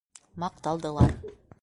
Маҡталдылар.